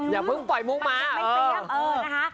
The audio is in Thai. อย่าเพิ่งปล่อยมุมม้า